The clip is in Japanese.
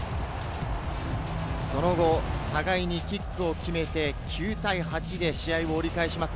その後、互いにキックを決めて９対８で試合を折り返します。